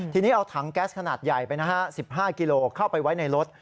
ทีนี้เอาถังแก๊สขนาดใหญ่ไปนะฮะ๑๕กิโลเข้าไปไว้ในรถ